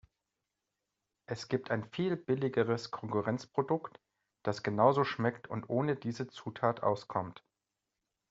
Es gibt ein viel billigeres Konkurrenzprodukt, das genauso schmeckt und ohne diese Zutat auskommt.